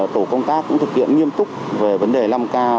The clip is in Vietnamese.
tổ công tác cũng thực hiện nghiêm túc về vấn đề năm k